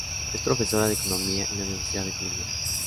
Es profesora de economía en la Universidad de Columbia.